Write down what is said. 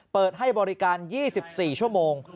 เปิดให้บริการ๒๔ชั่วโมง